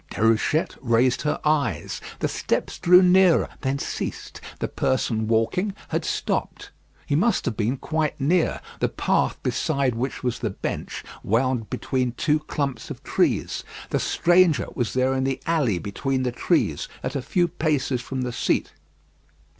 Déruchette raised her eyes. The steps drew nearer, then ceased. The person walking had stopped. He must have been quite near. The path beside which was the bench wound between two clumps of trees. The stranger was there in the alley between the trees, at a few paces from the seat.